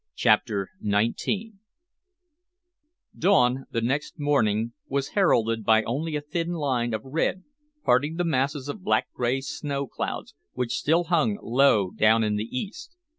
CHAPTER XIX Dawn the next morning was heralded by only a thin line of red parting the masses of black grey snow clouds which still hung low down in the east.